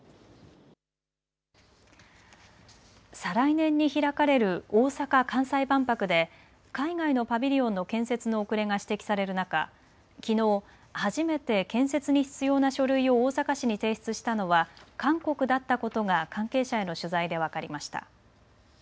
再来年に開かれる大阪・関西万博で海外のパビリオンの建設の遅れが指摘される中、きのう初めて建設に必要な書類を大阪市に提出したのは韓国だったことが関係者への取材で分かりました。